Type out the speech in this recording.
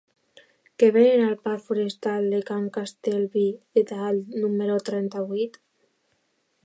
Què venen al parc Forestal de Can Castellví de Dalt número trenta-vuit?